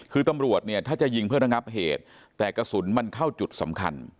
คือตำรวจเนี่ยถ้าจะยิงเพื่อระงับเหตุแต่กระสุนมันเข้าจุดสำคัญ